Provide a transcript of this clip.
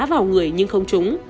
vào người nhưng không trúng